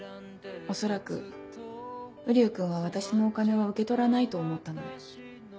恐らく瓜生君は私のお金は受け取らないと思ったので。